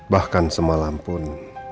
bahkan semalam pun